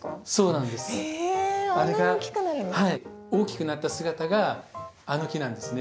大きくなった姿があの木なんですね。